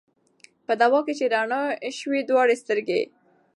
په دوا چي یې رڼا سوې دواړي سترګي